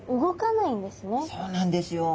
そうなんですよ。